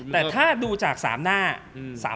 แต่ถ้าดูจาก๓หน้า